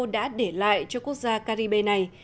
đã để lại cho quốc gia caribe này